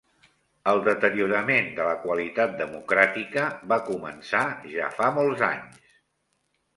El deteriorament de la qualitat democràtica va començar ja fa molts anys.